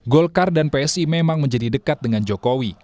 golkar dan psi memang menjadi dekat dengan jokowi